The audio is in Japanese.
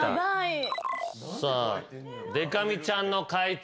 でか美ちゃんの解答